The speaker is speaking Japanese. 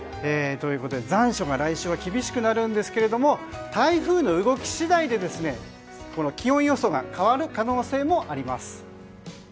残暑が来週は厳しくなるんですけれども台風の動き次第で気温予想が変わる可能性もあります。